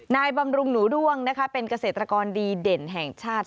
บำรุงหนูด้วงนะคะเป็นเกษตรกรดีเด่นแห่งชาติ